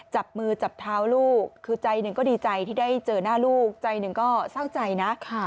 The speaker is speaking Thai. จับมือจับเท้าลูกคือใจหนึ่งก็ดีใจที่ได้เจอหน้าลูกใจหนึ่งก็เศร้าใจนะ